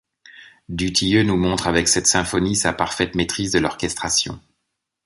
Dutilleux nous montre avec cette symphonie sa parfaite maîtrise de l'orchestration.